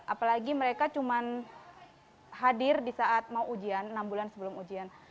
apalagi mereka cuma hadir di saat mau ujian enam bulan sebelum ujian